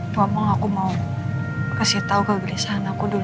duduk sini sam